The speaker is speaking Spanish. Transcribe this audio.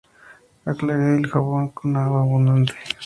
Aclare el jabón con agua abundante.